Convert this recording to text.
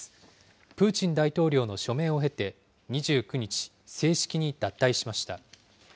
プーチン大統領の署名を経て、２９日、正式に脱退しました。